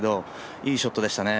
いいショットでしたね。